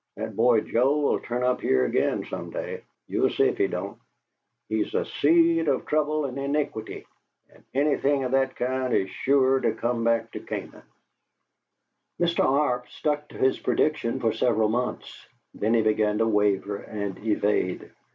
That boy Joe 'll turn up here again some day; you'll see if he don't. He's a seed of trouble and iniquity, and anything of that kind is sure to come back to Canaan!" Mr. Arp stuck to his prediction for several months; then he began to waver and evade.